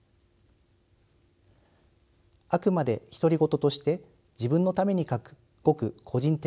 あくまで独り言として自分のために書くごく個人的